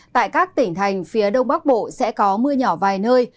tại các tỉnh thành phía đông bắc bộ sẽ có mưa nhỏ vài nơi